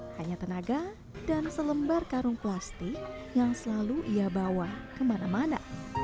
hanya tenaga dan selembar karung plastik yang selalu ia bawa kemana mana